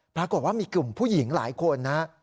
ปรากฏว่ามีกลุ่มผู้หญิงหลายคนนะ